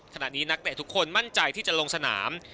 นักเตะทุกคนมั่นใจที่จะลงสนาม